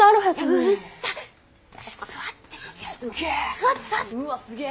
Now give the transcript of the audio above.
うわすげえ。